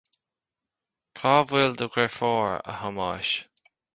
Cá bhfuil do dheirfiúr, a Thomáis